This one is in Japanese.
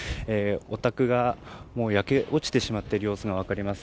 お宅がもう焼け落ちてしまっている様子が分かります。